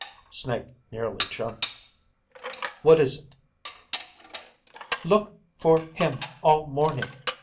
Snake nearly jumped. "What is it?" _Look ... for ... him ... all ... morning.